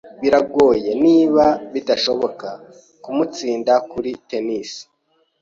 Biragoye, niba bidashoboka, kumutsinda kuri tennis.